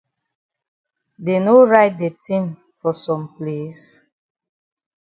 Dey no write de tin for some place?